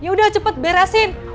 ya udah cepet beresin